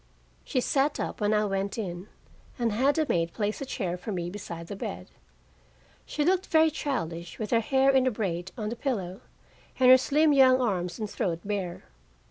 She sat up when I went in, and had a maid place a chair for me beside the bed. She looked very childish, with her hair in a braid on the pillow, and her slim young arms and throat bare.